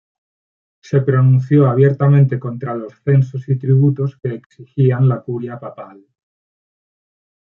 Se pronunció abiertamente contra los censos y tributos que exigían la curia papal.